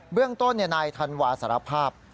เบื้องต้นในธันวาสารภาพ